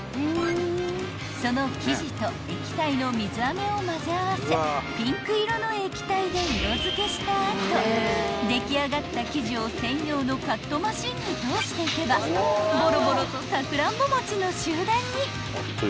［その生地と液体の水あめを混ぜ合わせピンク色の液体で色付けした後出来上がった生地を専用のカットマシンに通していけばボロボロとさくらんぼ餅の集団に］